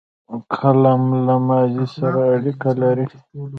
قلم له ماضي سره اړیکه لري